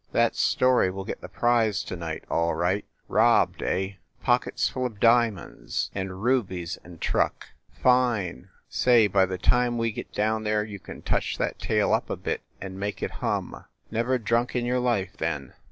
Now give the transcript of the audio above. That story will get the prize to night, all right. Robbed, eh? Pockets full of diamonds THE LIARS CLUB 55 and rubies and truck? Fine! Say, by the time we get down there you can touch that tale up a bit and make it hum ! Never drunk in your life, then